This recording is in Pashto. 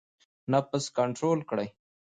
نفس کنټرول کړئ